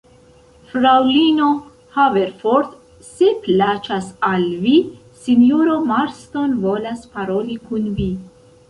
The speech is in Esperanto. Fraŭlino Haverford, se plaĉas al vi, sinjoro Marston volas paroli kun vi.